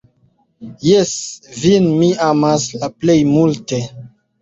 Jes, vin mi amas la plej multe!